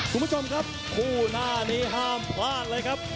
คุณผู้ชมครับคู่หน้านี้ห้ามพลาดเลยครับ